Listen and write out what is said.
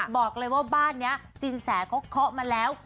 บอกเลยว่าบ้านนี้สินแสเขาเคาะมาแล้ว